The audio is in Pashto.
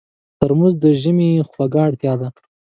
ترموز د ژمي خوږه اړتیا ده.